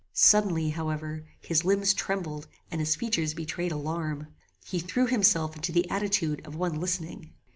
"Suddenly, however, his limbs trembled and his features betrayed alarm. He threw himself into the attitude of one listening.